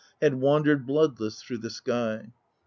Had wandered bloodless through the sky.